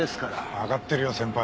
わかってるよ先輩。